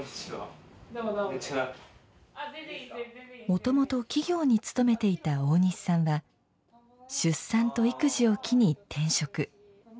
もともと企業に勤めていた大西さんは出産と育児を機に転職。